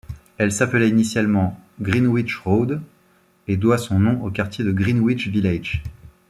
Elle s'appelait initialement Greenwich Road et doit son nom au quartier de Greenwich Village.